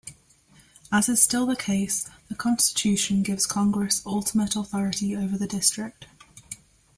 As is still the case, the Constitution gives Congress ultimate authority over the District.